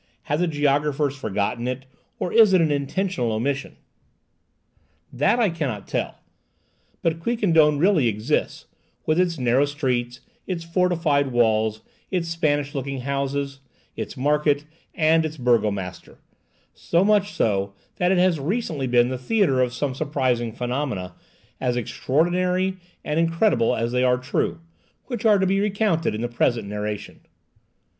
Have the geographers forgotten it, or is it an intentional omission? That I cannot tell; but Quiquendone really exists; with its narrow streets, its fortified walls, its Spanish looking houses, its market, and its burgomaster—so much so, that it has recently been the theatre of some surprising phenomena, as extraordinary and incredible as they are true, which are to be recounted in the present narration.